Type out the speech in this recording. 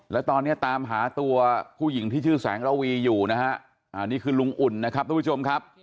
แล้วตอนนี้ตามหาตัวผู้หญิงที่ชื่อแสงระวีอยู่นะฮะอันนี้คือลุงอุ่นนะครับทุกผู้ชมครับ